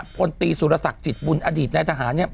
พลตีสุรศักดิ์จิตบุญอดีตนายทหาร